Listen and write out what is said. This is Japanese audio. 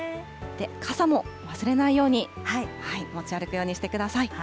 傘も忘れないように持ち歩くようにしてください。